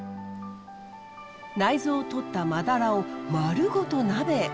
内臓を取ったマダラを丸ごと鍋へ。